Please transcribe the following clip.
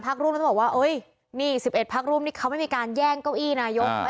๓พักรุ่มต้องบอกว่า๑๑พักรุ่มนี่เขาไม่มีการแย่งเก้าอี้นายก